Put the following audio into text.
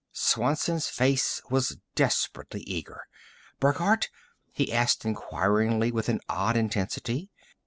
Swanson's face was desperately eager. "Burckhardt?" he asked inquiringly, with an odd intensity.